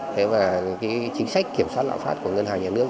thế mà chính sách kiểm soát lạng phát của ngân hàng nhà nước